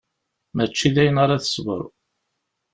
Mačči dayen ara tesber.